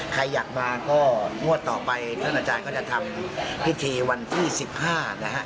ใครอยากมาก็งวดต่อไปท่านอาจารย์ก็จะทำพิธีวันที่๑๕นะฮะ